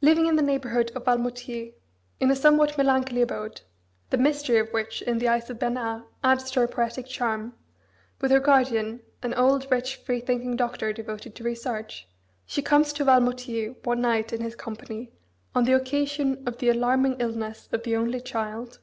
Living in the neighbourhood of Valmoutiers, in a somewhat melancholy abode (the mystery of which in the eyes of Bernard adds to her poetic charm) with her guardian, an old, rich, freethinking doctor, devoted to research, she comes to Valmoutiers one night in his company on the occasion of the alarming illness of the only child.